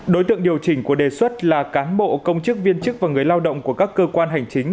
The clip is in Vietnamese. đối tượng điều chỉnh của đề xuất là cán bộ công chức viên chức và người lao động của các cơ quan hành chính